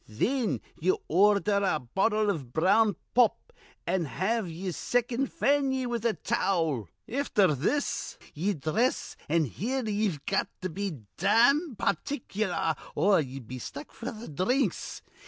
Thin ye ordher a bottle iv brown pop, an' have ye'er second fan ye with a towel. Afther this ye'd dhress, an' here ye've got to be dam particklar or ye'll be stuck f'r th' dhrinks.